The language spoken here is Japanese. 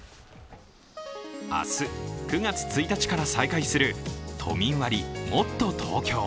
明日、９月１日から再開する都民割、もっとＴｏｋｙｏ。